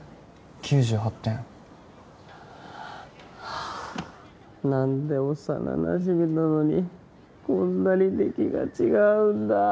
９８点はあ何で幼なじみなのにこんなに出来が違うんだ